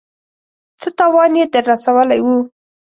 څه تاوان يې در رسولی و.